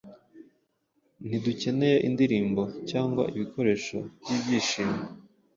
Ntidukeneye indirimbo, cyangwa ibikoresho byibyishimo